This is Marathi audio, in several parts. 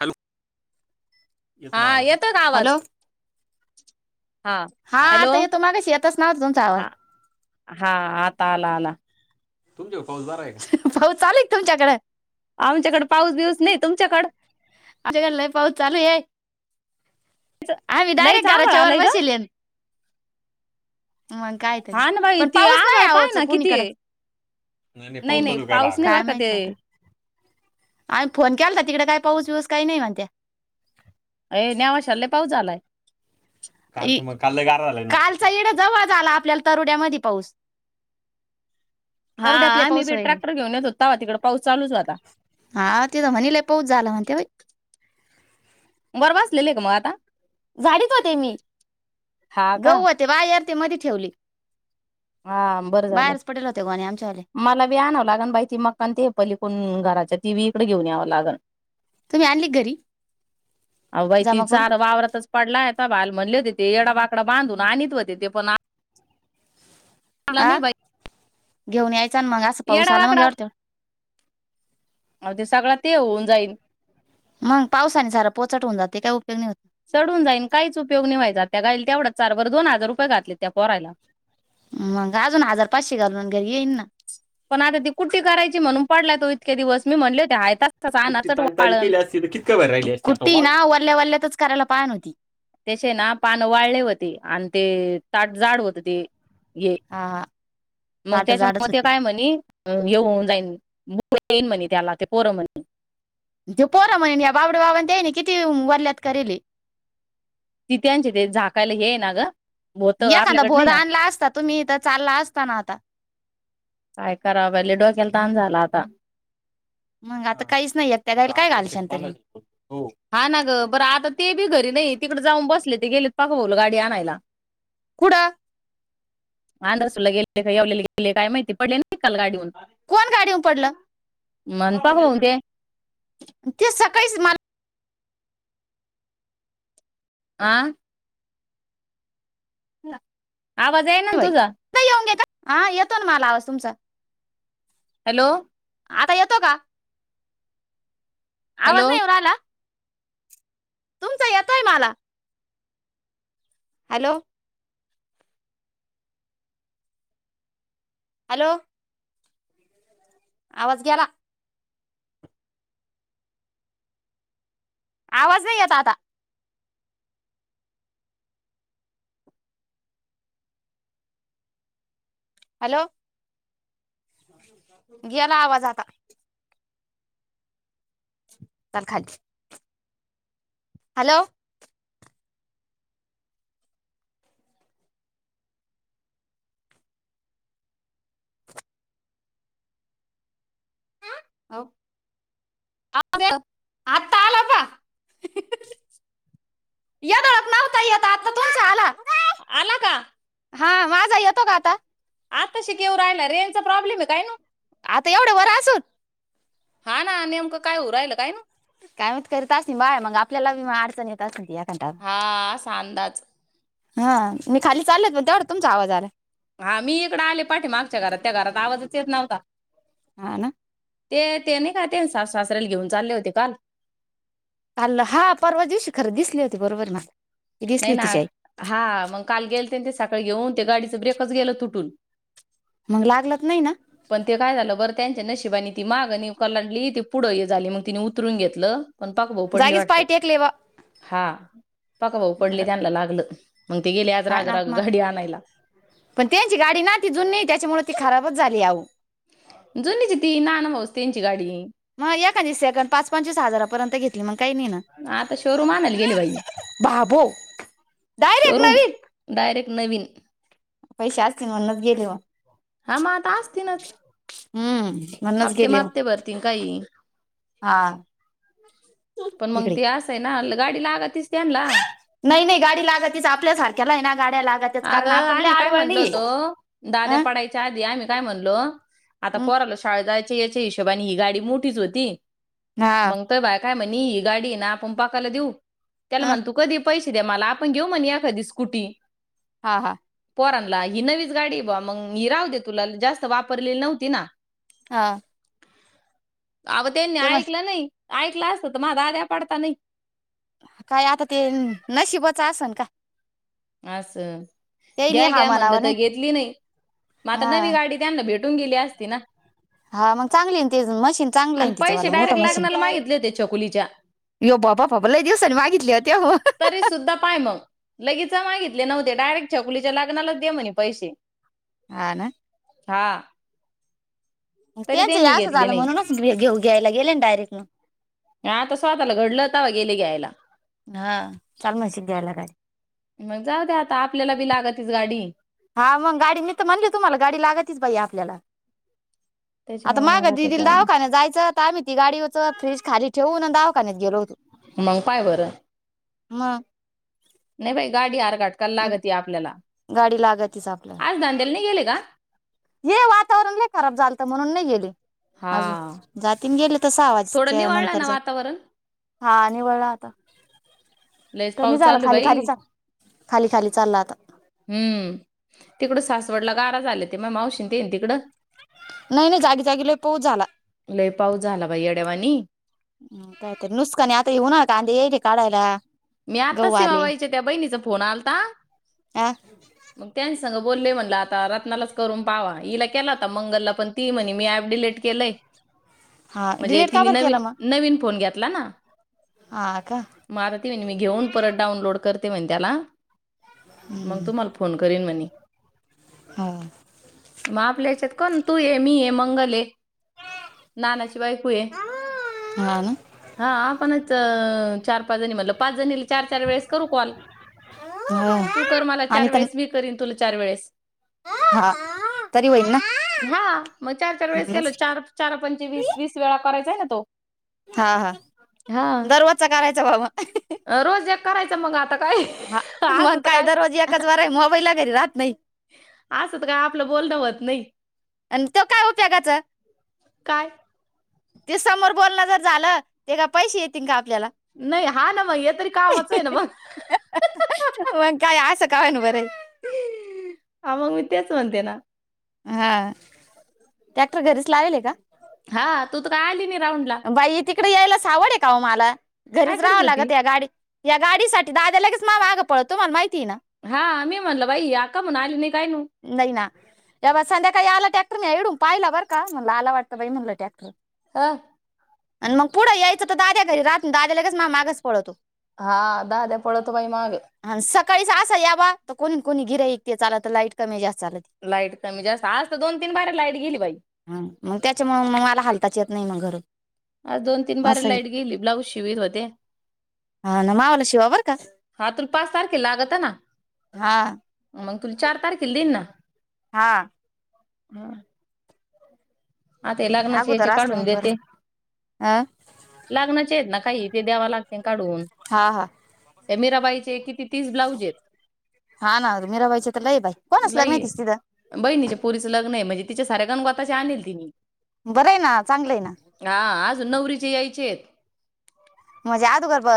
हॅलो. येतो ना हा, आवाज आता? येतोय का आवाज? हॅलो हा, हॅलो आता येतो. मगाशी येत नव्हता तुमचा आवाज. हा हा, आता आला आला. तुमच्याकड पाऊस बरा आहे का? पाऊस चालुय का तुमच्याकड? आमच्याकडं पाऊस-बिऊस नाही, तुमच्याकडं? आमच्याकडं लय पाऊस चालू आहे... आम्ही लईच डायरेक्ट आभाळ घराच्या वर आलंय ग बसीलेन. मग कायतरी हा ना बाई पण ते पाऊस नाही आभाळ पाय आवोच ना किती कुणीकडच. आहे. नाही नाही पाऊस चालु केला नाही काय बरं का ते माहित आता आणि फोन केलाता तिकडे काही पाऊस बिऊस काही नाही म्हणत्या. अय नेवाश्याला लय पाऊस झालाय. कालचा इड [inaudible] कालचा येड जवळ झाला आपल्याला तरुड्यामध्ये पाऊस. हा तरुड्यात लय आम्ही पाऊस बी व्हायले. ट्रॅक्टर घेऊन येत होता. तेव्हा तिकड पाऊस चालूच होता. हा ते तर म्हणे लय पाऊस झाला म्हणते बाई. वर बसलेले का मग आता? झाडीत होते मी, हा का गहु होते बाहेर ते मध्ये ठेवले. हा, बरं झालं. बाहेरच पडेल होते गोणे आमच्यावाले मला बी आणवं लागण बाई ती मका आण ते पलीकुन कोण घराच्या ती बी इइकडं घेऊन यावं लागन. तुम्ही आणली का घरी? आवो बाई ती जमा करू चारा वावरातच पडलाता बहाल म्हणले होते ते येडा बाकडा बांधून आणीत होते ते पण आणला नाही आ बाई घेऊन यायचं आण मग असं पाऊस येडा आला मग वाकडा.. यावर तेवढं आवो ते सगळं ते होऊन जाईन. मग पावसाने सारा पोचट होऊन जाते काय उपयोग नाही होत. चढून जाईन काहीच उपयोग नि व्हायचा त्या गायिले तेवढ्या चारभर दोन हजार रुय घातले त्या पोरायन. मग अजून हजार पाचशे घालू घरी येईन ना पण आता ती कुट्टी करायची म्हणून पडला तो इतके दिवस मी म्हणले होते हयतास कुट्टी ताजी ताजी केली असतील कितका भर राहिली आसती कुट्टी ना वरल्या वल्यातच करायला पाहान व्हती. त्यासे ना पान वाळले होती आणि ते ताट जाड होत ते. ये हा मग ताट त्याच्या म जाडच ते होते काय म्हणे. अ येऊन जाईन मु येईन म्हणे त्याला ते पोरं म्हणे. ते पोर म्हणे या बाबड बाबां किती वरल्यात करेले. तिथचे आंजे ते झाकायला हे ना ग होत एखादा आपल्याकडे नाही भोरा ना आणला असता तुम्ही इथं चालला असताना आता काय करावं लय डोक्याला ताण झाला आता. मग आता काहीच नाही यक त्या गाईले काय घालश ना तरी हा ना ग बरं आता ते बी घरी नाही तिकडे जाऊन बसले ते गेलेत पाक बवलं गाडी आणायला. कुड आंध्रासुला गेले का येवलल्याला गेले काय माहिती पड कालगाडीहून कोण गाडीवर पडलं मनपा होऊन तेे ते सकाळीच माल आं आवाज येईना ना बाई तुझा येऊन घे का हा येतो ना मला आवाज तुमचा. हॅलो आता येतो का? आवाज हॅलो नाही एव रहायला? तुमचा येतोय मला. हॅलो हॅलो आवाज गेला. आवाज नाइ येत आता. हॅलो गेला आवाज आता. तर खाली हॅलो ह हो [unintelligible] अ [unintelligible] आता आला का? [unintelligible] येडलोक नवता येत, आता तुमचा आला आला का? हा माझा जा येतो का आता? आताशिक येऊ राहिला रेजचा प्रॉब्लेम आहे काय ना. आता एवढं वर असून. हा ना नेमकं काय हो राहिल काय ना. काय माहित करत असेल बाय मग आपल्याला बी अडचण येतचं असेल की ऐकान. हा आसा अंदाज हा मी खाली चालले मग तेवढ्यात तुमचा आवाज आला. हा मी इकडे आले पाठीे मागच्या घरात त्या घरात आवाजच येत नव्हता. हा ना! ते, ते नाही का, ते सासू सासरेला घेऊन चालले होते काल काल, हा परवा दिवशी खरं दिसली होती बरोबर ना नाही ना, हा मग काल गेलते ते सकाळी घेऊन ते गाडीच ब्रेकच गेलं तुटून. मग लागलत नाही ना. पण ते काय झालं, बरं त्यांच्या नशिबाने, ती माग नाही कलांडली, ती पुढं हे झाली मग तिने उतरून घेतलं पण पकाभाऊ पडली जागीच वाटत. पाय टेकले बा हा पकाभाऊ पडले. बरं त्यांना लागलं, मग ते गेले आज काय राग, ना राग मग गाडी आणायला. पण त्यांची गाडी ना ती जुनीय त्याच्यामुळे ती खराबच झाली आ ओ. जुनीच आहे ती, नाना भाऊस त्यांची गाडी आहे. मग एकादी सेकंड पाच -पंचवीस हजारापर्यंत घेतली म्हण कायं घेणात. आता शोरूम आणायले गेले बाई, बाबो डायरेक्ट शोरूम! नवीन डायरेक्ट नवीन. पैसे असतील म्हणूनच गेले व. हा, मग आता असतीनच. हम्म! म्हणूनच गेले म, भरतीन काही हा. पण मग इकडे ती असं आहे ना, गाडी लागतीच त्याणला नाही, नाही गाडी लागतीच. आपल्यासारख्याला आहे ना गाड्या लागत. अगं! आम्ही मी काय म्हणलो होतो, दाद्या अं? पडायच्या च्या आधी आम्ही काय म्हणलो, आता हं. पोराला शाळेत जायच्या याच्या हिशोबाने ही गाडी मोठीच होती हा मंग तोय भैय्या काय म्हणे, आपण ही गाडी ना पकाला देऊ त्याला हं. म्हणे तू कधीही पैसे दे मला, आपण घेऊ म्हणे एखादी स्कुटी. हा हा! पोरांला ही नवीच गाडी बुवा, मग ही राहू दे तुला, जास्त वापरलेली नव्हती ना. हा! आओ त्यांनी ते म्हण ऐकलं नाही. ऐकलं असतं तर म दाद्या पडतानी काय आता ते नशीबाच असणं का, असं! त्याही नाही घ्या, हा घ्या मनावर म्हटलं तर नाही घेतली नाही. मग आता हा नवी गाडी त्यांना भेटून गेली असते ना. हा मग चांगली त मशीन चांगलं आणि आहे तिचं, पैसे मोठं डायरेक्ट वालं मशीन. लागणार मागितले होते चकुलीचे [unintelligible] लय दिवसांनी मागितली होते. तरी सुद्धा पाहय मग. लगेच मागितले नव्हते. डायरेक्ट छकुलीच्या लग्नालाच दे म्हणे पैसे. हा ना! हा! तरी त्यांचं या त्यांनी असं घेतले झालं, नाही म्हणूनच घ्यायला गेले ना डायरेक्ट. हा आता स्वतःला घडलं तवा गेले घ्यायला. हा! [unintelligible] मग जाऊ दे आता, आपल्याला बी लागतीच गाडी. हा मग! गाडी मी तर म्हणली तुम्हाला गाडी लागतच बाई आपल्याला. आता त्याच्यामुळे माग मग दिदीला जाऊ दावाखान्यात जायचं त आम्ही ती गाडीवरच फ्रीज खाली ठेवून ना, दावाखान्यात गेलो होतो. मग पाहाय बरं! मग! नाही! बाई गाडी आरघाटकाला लागती आपल्याला, गाडी लागतीच आज धंद्याला नाही गेले का? हे वातावरण लई खराब झालतं म्हणून नाही गेले. हा अजून जातीन गेले तसा आवाज थोडं त्या निवाळलं नंतर ना जात. वातावरण हा निव्वळलं आता लयच तर कमी पाऊस झालं चालू आहे खाली खाली बाई जा खाली खाली चाललं आता. हम्म तिकडं सासवडला गारा झाले ते मग मावशीन तेन तिकडं. नाही, नाही जागी, जागी लय पऊस झाला. लय पाऊस झाला बाई येड्यावानी नुकसान आहे आता उन्हाळी कांदे येईलये काढायला मी आता गहू आले सिमाबाईच्या त्या बहिणीचा फोन आलता. काय? ह मग त्यांनी सग बोललेय म्हणलं आता रत्नालाच करून पाहवा हिला केला होता मंगलला पण ती म्हणी मी ॲप डिलीट केलंय. हा म्हणजे डिलेट का तिने बर नवीन, केला मग नवीन फोन घेतला ना. हा का? मग ती म्हणे मी घेऊन परत डाऊनलोड करते मी त्याला हम्म फोन करीन म्हणे हा मग आपल्या ह्याच्यात कोण तू ये मी ये मंगल ये नानाची बायको आहे. हा ना हा आपणच चार, पाच जणी म्हनलं पाच जणी चार, चार वेळेस करू कॉल हो तू कर मला आणि चार तर वेळेस मी करीन तुला चार वेळेस हा तरी होईल ना हा मग चार, चार वेळेस केलं चार चार पंचे वीस, वीस वेळा करायचाय ना तो हा हा हा दररोज करायचा बबा रोज एक करायचं मग आता काय हा मग असंत काय? दररोज एकच वर आहे मोबाईलला घरी राहत नाही असं तर काय आपलं बोलणं होत नाही. आणि तो काय उपयोगाचा काय समोर बोलणं जर झालं तर का पैसे येतील का आपल्याला नाही हां ना मगं हे तरी कामाच आहे ना मगं मग काय असं का व्हय ण बरं हा मग मी तेच म्हणते ना. हा टॅक्टर घरीच लावेल आहे का? हा तू तर काय आली नाही राऊंड ला बाई तिकडे यायला सावड आहे का मला काय घरीच करीत राहावं लागत होती या गाडी या गाडीसाठी दाद्या लगेच माझ्या मागं पळत तुम्हाला माहिती आहे ना. हा मी म्हणलं बाई ही आज कमहून आली नाही कायनू नाही ना तेव्हा संध्याकाळी आला टॅक्टर मी ईकडून पाहिला बरं का म्हणला आला वाटतं बाई म्हणलं टॅक्टर हा आणि मग पुढे यायचं तर दाद्या घरी राह दाद्या लगेच माझ्या मागच पळतो. हा दाद्या पळतो बाई मागे ह सकाळीच असा यावा तर कोणी कोणी गिर्‍हाईक चाला तर लाईट कमी जास्त चालते. लाईट कमी जास्त आज तर दोन, तीन बारे लाईट गेली बाई हा मग त्याच्या मुळ मग मला हलताच येत नाही घरून आज दोन, तीन बारया असं आहे लाईट ते. गेली ब्लाऊज शिवत होते. हा ना मावाला शिवा बरं का हा तर तुला पाच तारखेला लागतं ना. हा मंग तुला चार तारखेला देईल ना. हा हा आता हे लग्नाचे अगोदर याचे असलं काढून मग बरं देते. हं? लग्नाचे आहेत ना, काही ते द्यावे लागते काढून हा हा त्या मीराबाईचे किती तीस ब्लाऊज आहेत. मीराबाईच तर लय बाय लई बहीनीच्या पुरीचं लग्न आहे म्हणजे तिच्या साऱ्या गणवताचे आणेल तिनी. बरं ये ना चांगल ये ना. आ आजून नवरीचे यायचेत. म्हणजे आदोगर ब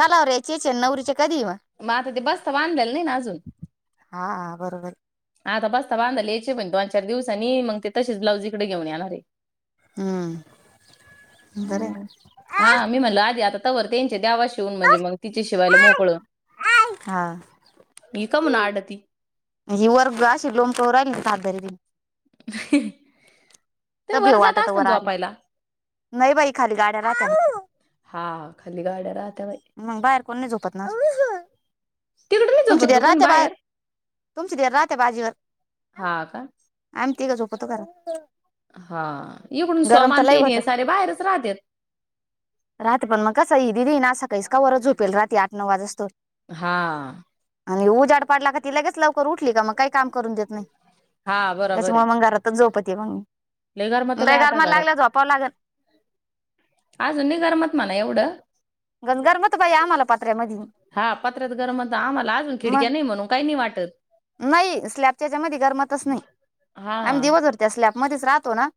कलवरी याचेच नवरीचे कधी म. म आता ते बसता बांधलेला नाही ना अजून. हा हा बरोबर. आता बसता बांधायला यायचे पण, दोन चार दिवसांनी मग ते तसेच ब्लाऊज इकडे घेऊन येणारे. हम्म बरे हम्म. हा मी म्हणल आधी आता तवर त्यांचे द्यावा शिवून म्हणजे मग तिचे शिवायला मोकळ हा ही का म्हण आडती. ही वर ब्रा अशी लोमकत राहिली सातरारी ते तर वर भेव जात वाटत असन आले झोपायला. नाही बाई खाली गाड्या राहतात. हा खाली गाड्या राहत्या बाई. मंग बाहेर कोण नाही झोपत ना. तिकडे नाही तुमची झोपत का [unintelligible] कोणी राहते बाहेर तुमची [unintelligible] राहते भाजीवर. हा का आम्ही तिघ झोपतो घरात. हा इकडून समान तेने होतं सारे बाहेरच राहतेत. राहते पण मग कसं ही दिदी ना सकाळीस कावर झोपेल रात आठ नऊ वाजोसतर. हा आणि उजाड पाडला का ति लगेच लवकर उठली का मग काही काम करून देत नाही. हा. बरोबर आहे. त्याच्यामुळे मंग घरातच झोपती मंग, गरमत बाई लय गार आता म घरात. लागलं झोपावं लागल. अजून निगरमत मला एवढं. [unintelligible] बया आम्हाला पत्र्यामधी. हा पत्र्यात गरम होत आम्हाला अजून खिडक्या नाही म्हणून काही नाही वाटत. नाही स्लॅपच्या याच्यामधी गरमतच नाही. हा दिवसभर त्या स्लॅप मध्येच राहतो ना,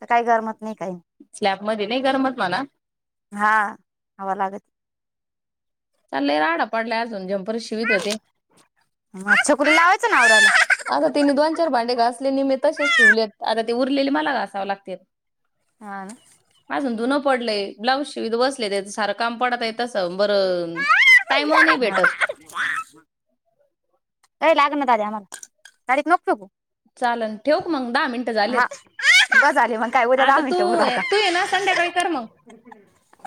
तर काही गरमत नाही काही. स्लॅपमध्ये नाही गरमत म्हणा. हा हवा लागल. लई राडा पडलाय अजून झंमपर शिवीत होते. ह छकुलीला लावायचं ना आवरायला. अग तिनी दोन चार भांडे घासले नी म तशेच ठेवलेत आता ती उरलेली मला घासावं लागते. हा अजून धुनं पडलंय ब्लाउज शिवित बसले त्याच सारं काम पडत तसं बरं टाइम नाही भेटत. [unintelligible] ये लाग ना दादया आमाला गाडीत नको फेकू. चालनं ठेवू का मंग दहा मिनटं झालेत. हा बस झाले मग काय उद्या दहा आता तू, मिनिटं बोलू तू ये ना आता संध्याकाळी कर मंग.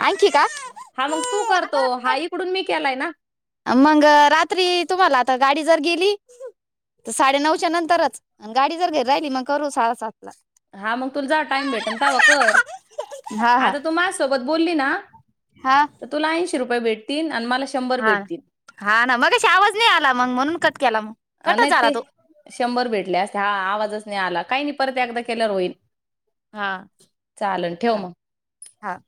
आणखी का! हा मंग तू कर तो, हा इकडून मी केलाय ना! मंग रात्री तुम्हाला आता, गाडी जर गेली! त साडेनऊच्या नंतरच, अन गाडी जर घरी राहिली मंग करू सहा सात ला! हा मंग तुला जवा टाइम भेटन तवा कर! हा हा आता तू माह्यांसोबत बोलली ना हा तर तुला ऐशी रुपये भेटतीनं आणि मला श हा हा ना मगाशी आवाज नही आला, मग म्हणून कट केला मंग. अ नही ते शंभर भेटले असते, हा आवाजच नही आला काही नही परत एकदा केल्यावर होईनं. हां चाल हां!